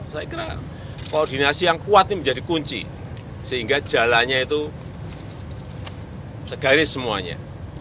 saya kira koordinasi yang kuat ini menjadi kunci sehingga jalannya itu segaris semuanya